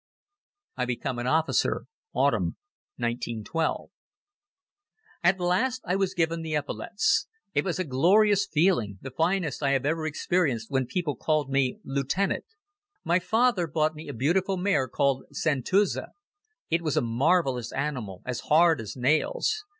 I Become an Officer. (Autumn, 1912) AT last I was given the epaulettes. It was a glorious feeling, the finest I have ever experienced when people called me Lieutenant. My father bought me a beautiful mare called Santuzza. It was a marvelous animal, as hard as nails.